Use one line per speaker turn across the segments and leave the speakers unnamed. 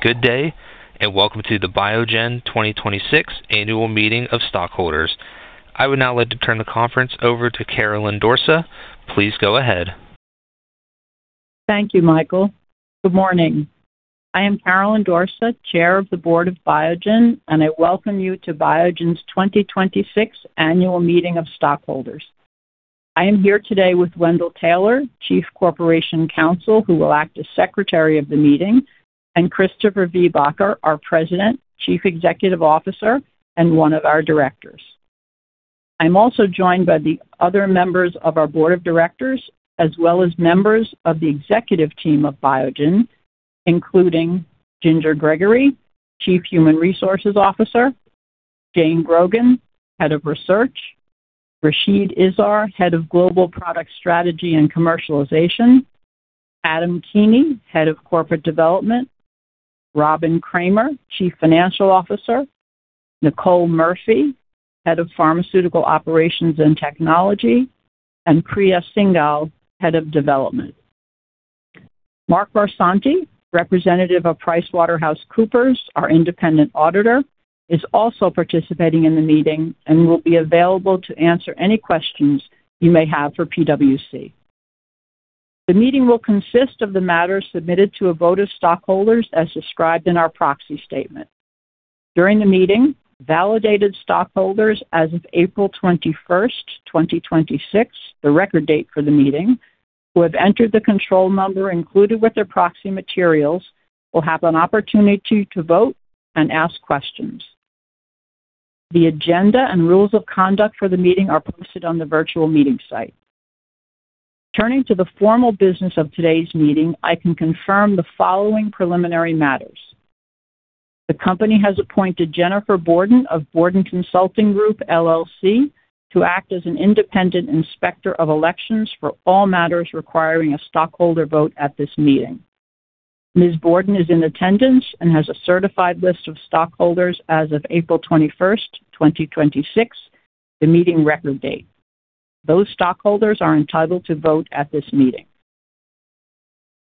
Good day. Welcome to the Biogen 2026 Annual Meeting of Stockholders. I would now like to turn the conference over to Caroline Dorsa. Please go ahead.
Thank you, Michael. Good morning. I am Caroline Dorsa, Chair of the Board of Biogen. I welcome you to Biogen's 2026 Annual Meeting of Stockholders. I am here today with Wendell Taylor, Chief Corporation Counsel, who will act as Secretary of the meeting. Christopher Viehbacher, our President, Chief Executive Officer, and one of our directors. I'm also joined by the other members of our board of directors, as well as members of the executive team of Biogen, including Ginger Gregory, Chief Human Resources Officer, Jane Grogan, Head of Research, Rachid Izzar, Head of Global Product Strategy and Commercialization, Adam Keeney, Head of Corporate Development, Robin Kramer, Chief Financial Officer, Nicole Murphy, Head of Pharmaceutical Operations and Technology, and Priya Singhal, Head of Development. Mark Barsanti, representative of PricewaterhouseCoopers, our independent auditor, is also participating in the meeting and will be available to answer any questions you may have for PwC. The meeting will consist of the matters submitted to a vote of stockholders as described in our proxy statement. During the meeting, validated stockholders as of April 21st, 2026, the record date for the meeting, who have entered the control number included with their proxy materials will have an opportunity to vote and ask questions. The agenda and rules of conduct for the meeting are posted on the virtual meeting site. Turning to the formal business of today's meeting, I can confirm the following preliminary matters. The company has appointed Jennifer Borden of Borden Consulting Group LLC to act as an independent inspector of elections for all matters requiring a stockholder vote at this meeting. Ms. Borden is in attendance and has a certified list of stockholders as of April 21st, 2026, the meeting record date. Those stockholders are entitled to vote at this meeting.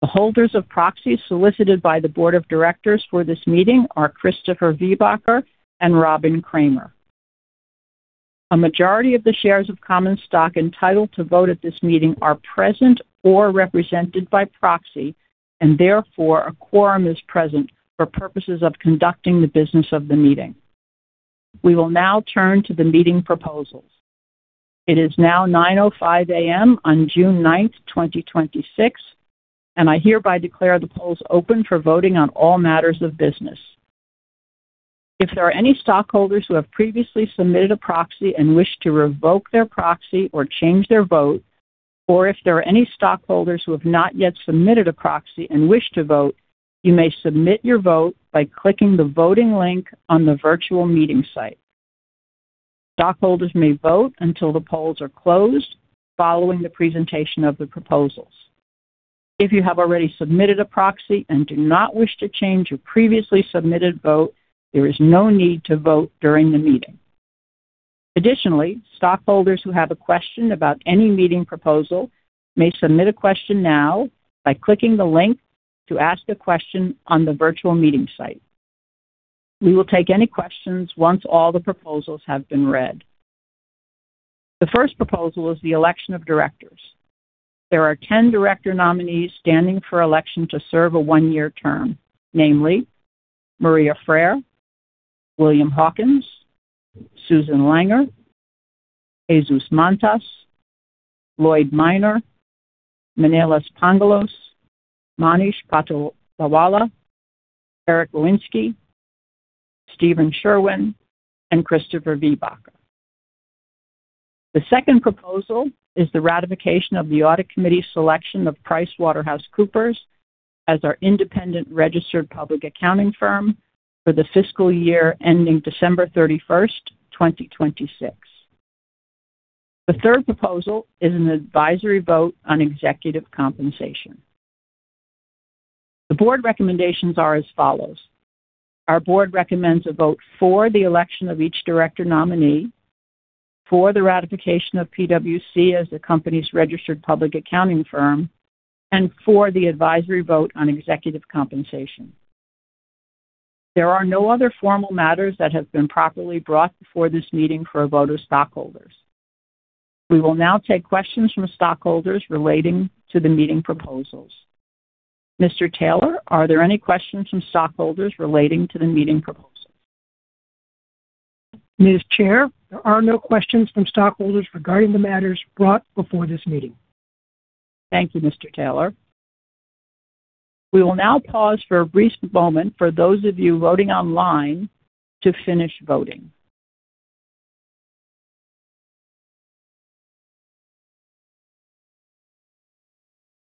The holders of proxies solicited by the board of directors for this meeting are Christopher Viehbacher and Robin Kramer. A majority of the shares of common stock entitled to vote at this meeting are present or represented by proxy. Therefore, a quorum is present for purposes of conducting the business of the meeting. We will now turn to the meeting proposals. It is now 9:05 A.M. on June 9th, 2026. I hereby declare the polls open for voting on all matters of business. If there are any stockholders who have previously submitted a proxy and wish to revoke their proxy or change their vote, or if there are any stockholders who have not yet submitted a proxy and wish to vote, you may submit your vote by clicking the voting link on the virtual meeting site. Stockholders may vote until the polls are closed following the presentation of the proposals. If you have already submitted a proxy and do not wish to change your previously submitted vote, there is no need to vote during the meeting. Additionally, stockholders who have a question about any meeting proposal may submit a question now by clicking the link to ask a question on the virtual meeting site. We will take any questions once all the proposals have been read. The first proposal is the election of directors. There are 10 director nominees standing for election to serve a one-year term, namely Maria Freire, William Hawkins, Susan Langer, Jesus Mantas, Lloyd Minor, Menelas Pangalos, Monish Patolawala, Eric Pulaski, Stephen Sherwin, and Christopher Viehbacher. The second proposal is the ratification of the audit committee's selection of PricewaterhouseCoopers as our independent registered public accounting firm for the fiscal year ending December 31st, 2026. The third proposal is an advisory vote on executive compensation. The board recommendations are as follows. Our board recommends a vote for the election of each director nominee, for the ratification of PwC as the company's registered public accounting firm, and for the advisory vote on executive compensation. There are no other formal matters that have been properly brought before this meeting for a vote of stockholders. We will now take questions from stockholders relating to the meeting proposals. Mr. Taylor, are there any questions from stockholders relating to the meeting proposals?
Ms. Chair, there are no questions from stockholders regarding the matters brought before this meeting.
Thank you, Mr. Taylor. We will now pause for a brief moment for those of you voting online to finish voting.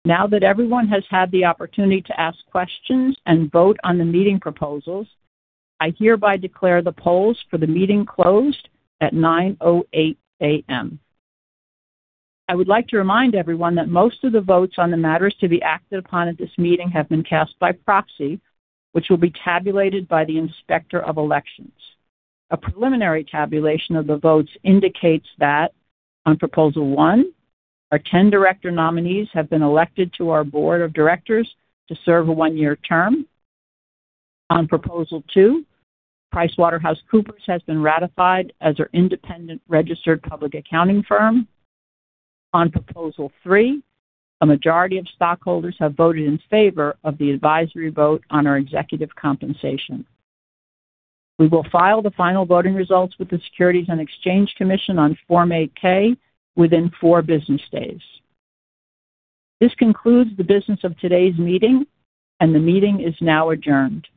Now that everyone has had the opportunity to ask questions and vote on the meeting proposals, I hereby declare the polls for the meeting closed at 9:08 A.M. I would like to remind everyone that most of the votes on the matters to be acted upon at this meeting have been cast by proxy, which will be tabulated by the Inspector of Election. A preliminary tabulation of the votes indicates that on proposal one, our 10 director nominees have been elected to our board of directors to serve a one-year term. On proposal two, PricewaterhouseCoopers has been ratified as our independent registered public accounting firm. On proposal three, a majority of stockholders have voted in favor of the advisory vote on our executive compensation. We will file the final voting results with the Securities and Exchange Commission on Form 8-K within four business days. This concludes the business of today's meeting, and the meeting is now adjourned.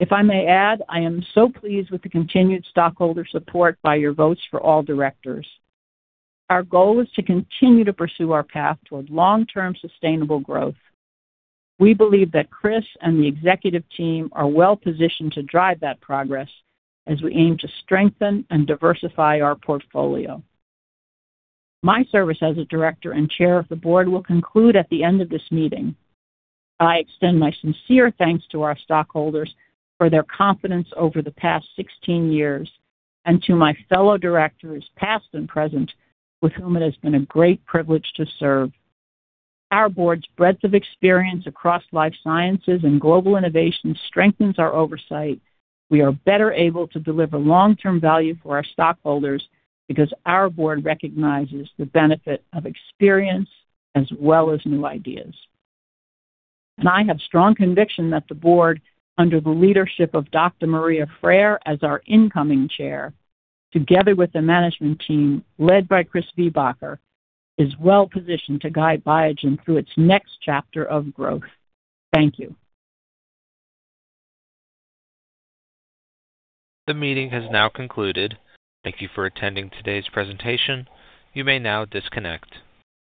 If I may add, I am so pleased with the continued stockholder support by your votes for all directors. Our goal is to continue to pursue our path toward long-term sustainable growth. We believe that Chris and the executive team are well-positioned to drive that progress as we aim to strengthen and diversify our portfolio. My service as a director and chair of the board will conclude at the end of this meeting. I extend my sincere thanks to our stockholders for their confidence over the past 16 years and to my fellow directors, past and present, with whom it has been a great privilege to serve. Our board's breadth of experience across life sciences and global innovation strengthens our oversight. We are better able to deliver long-term value for our stockholders because our board recognizes the benefit of experience as well as new ideas. I have strong conviction that the board, under the leadership of Dr. Maria Freire as our incoming chair, together with the management team led by Chris Viehbacher, is well-positioned to guide Biogen through its next chapter of growth. Thank you.
The meeting has now concluded. Thank you for attending today's presentation. You may now disconnect.